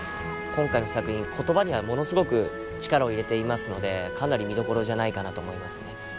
今回の作品言葉にはものすごく力を入れていますのでかなり見どころじゃないかなと思いますね。